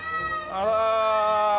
あら！